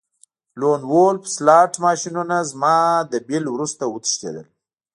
لون وولف سلاټ ماشینونه زما د بل وروسته وتښتیدل